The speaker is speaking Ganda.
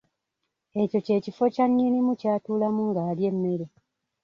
Ekyo kye kifo kya nnyinimu ky’atuulamu ng’alya emmere.